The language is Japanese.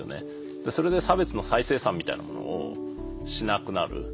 それで差別の再生産みたいなものをしなくなる。